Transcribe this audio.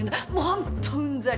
ホントうんざり！